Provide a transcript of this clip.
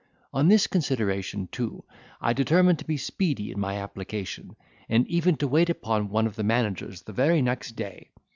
On this consideration, too, I determined to be speedy in my application, and even to wait upon one of the managers the very next day.